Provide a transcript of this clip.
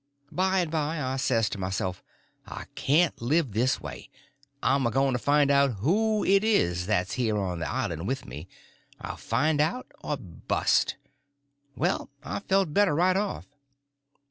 By and by I says to myself, I can't live this way; I'm a going to find out who it is that's here on the island with me; I'll find it out or bust. Well, I felt better right off.